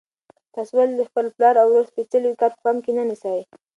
تاسو ولې د خپل پلار او ورور سپېڅلی وقار په پام کې نه نیسئ؟